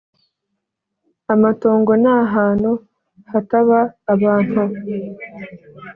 amatongo nahantu htaba abantu.